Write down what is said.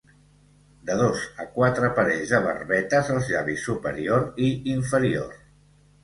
De dos a quatre parells de barbetes als llavis superior i inferior.